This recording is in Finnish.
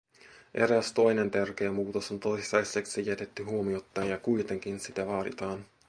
Eräs toinen tärkeä muutos on toistaiseksi jätetty huomiotta, ja kuitenkin sitä vaaditaan.